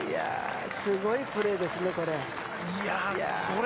すごいプレーですね、これ。